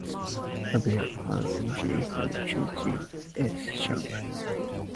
However, the Convention instead chose James S. Sherman.